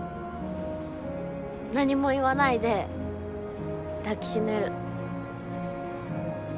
何も言わないで抱きしめる。